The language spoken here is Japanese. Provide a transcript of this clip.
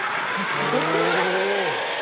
すごくない？